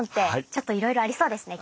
ちょっといろいろありそうですね。